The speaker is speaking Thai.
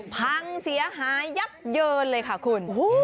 พังเสียหายยับเยินเลยค่ะคุณ